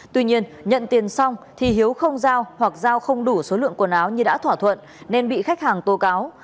tuy nhiên nhận tiền xong thì hiếu không giao hoặc giao không đủ số lượng quần áo như đã thỏa thuận nên bị khách hàng tố cáo